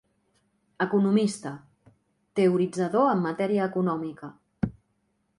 Economista: Teoritzador en matèria econòmica.